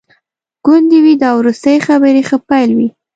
ګوندي وي دا وروستي خبري ښه پیل وي.